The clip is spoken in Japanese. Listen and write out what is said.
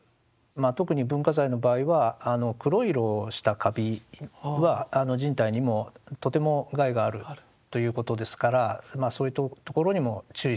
特に文化財の場合は黒い色をしたカビは人体にもとても害があるということですからそういうところにも注意しながら。